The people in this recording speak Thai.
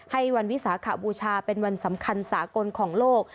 ให้วันวิสาขบูชาเป็นวันสำคัญสากลของโลก